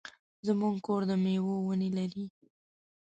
زمونږ کور د مېوې ونې لري.